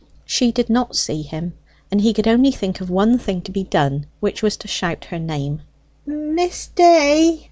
She did not see him; and he could only think of one thing to be done, which was to shout her name. "Miss Day!"